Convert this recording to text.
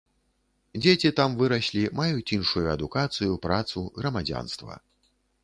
Дзеці там выраслі, маюць іншую адукацыю, працу, грамадзянства.